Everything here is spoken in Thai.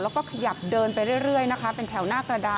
แล้วก็ขยับเดินไปเรื่อยเร่ยนะคะ